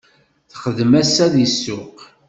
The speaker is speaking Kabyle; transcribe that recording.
Texdem ass-a deg ssuq.